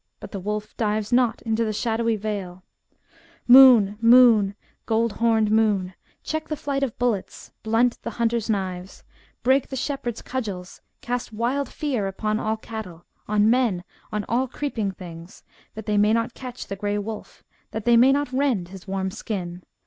But the wolf dives not into the shadowy vale, Moon, moon, gold homed moon. Check the flight of bullets, blunt the hunters' knives, Break the shepherds* cudgels, Cast wild fear upon all cattle, On men, on all creeping things. That they may not catch the grey wolf. That they may not rend his warm skin